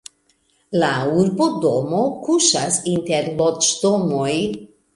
La urbodomo kuŝas inter loĝdomoj.